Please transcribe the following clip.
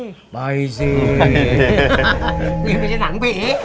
หลุดเวลาที่ฉันถังปี่